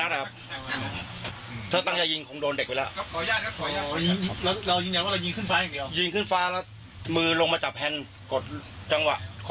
รพลันเคลูกค